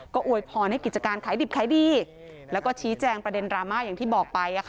ก็อวยพรให้กิจการขายดิบขายดีแล้วก็ชี้แจงประเด็นดราม่าอย่างที่บอกไป